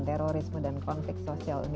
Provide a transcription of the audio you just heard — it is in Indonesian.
di markedan susul